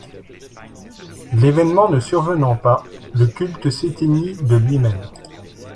L'événement ne survenant pas le culte s'éteignit de lui-même.